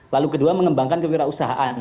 lalu kedua mengembangkan kewirausahaan